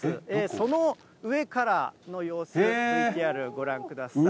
その上からの様子、ＶＴＲご覧ください。